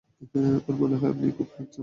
ওর মনে হয় আপনি খুব হ্যান্ডসাম।